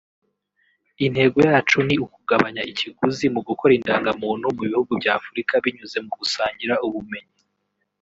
Intego yacu ni ukugabanya ikiguzi mu gukora indangamuntu mu bihugu bya Afurika binyuze mu gusangira ubumenyi